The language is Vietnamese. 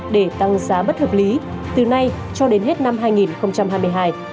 để tăng giá bất hợp lý từ nay cho đến hết năm hai nghìn hai mươi hai